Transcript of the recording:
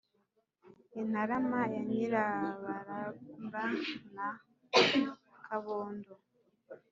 i ntarama ya nyirabaramba na kabondo